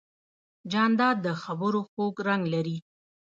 جانداد د خبرو خوږ رنګ لري.